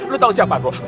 lu tau siapa gua